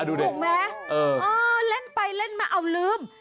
ถูกไหมเออเล่นไปเล่นมาเอาลืม